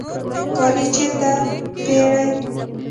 کالی چیرته پیرئ؟